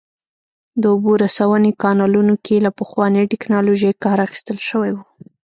د اوبو رسونې کانالونو کې له پخوانۍ ټکنالوژۍ کار اخیستل شوی و